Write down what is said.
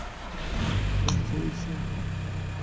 অপরজন বলছেন, ঈসা তো আল্লাহর রূহ্ ও কালিমাহ্।